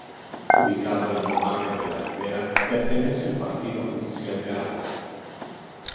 Ubicado en la comarca de La Ribera, pertenece al partido judicial de Aranda.